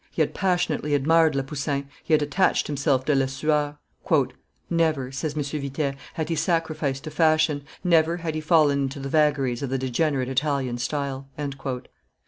He had passionately admired Le Poussin, he had attached himself to Lesueur. "Never," says M. Vitet, "had he sacrificed to fashion; never had he fallen into the vagaries of the degenerate Italian style."